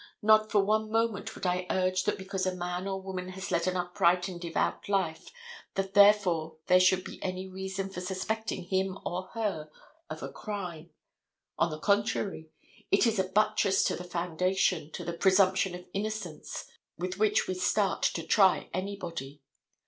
Not for one moment would I urge that because a man or a woman has led an upright and devout life that therefore there should be any reason for suspecting him or her of a crime. On the contrary, it is a buttress to the foundation, to the presumption of innocence with which we start to try anybody.